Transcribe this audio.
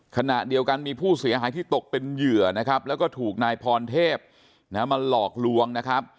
ขณะเดียวกันมีผู้เสียหายที่ตกเป็นเหยื่อนะครับแล้วก็ถูกนายพรเทพมาหลอกลวงนะครับ